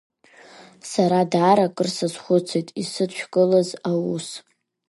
Сара даара кыр сазхәыцит исыдшәкылаз аус.